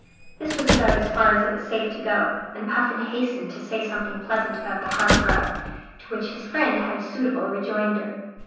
This was about as far as it was safe to go, and Puffin hastened to say something pleasant about the hearthrug, to which his friend had a suitable rejoinder.